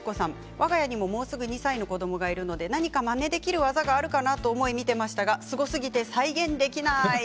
わが家にももうすぐ２歳の子どもがいるので何かまねできる技があるかなと思い見ていましたがすごすぎて再現できない。